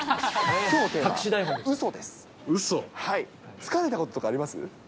つかれたこととかあります？